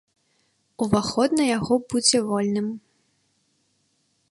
Уваход на яго будзе вольным.